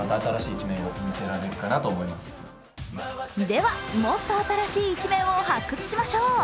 ではもっと新しい一面を発掘しましょう。